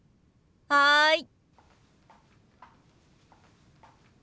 はい。